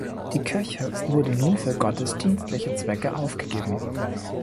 Die Kirche wurde nun für gottesdienstliche Zwecke aufgegeben.